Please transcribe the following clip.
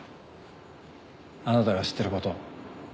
あなたが知ってること。